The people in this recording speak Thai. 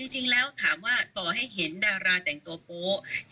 จริงแล้วถามว่าต่อให้เห็นดาราแต่งตัวโป๊ะ